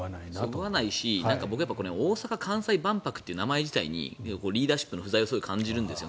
そぐわないし大阪・関西万博という名前自体にリーダーシップの不在を感じるんです。